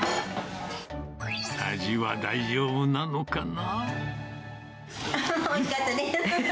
味は大丈夫なのかな？